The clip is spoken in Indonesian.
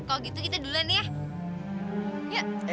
kalo gitu kita duluan nih ya